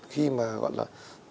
khi mà gọi là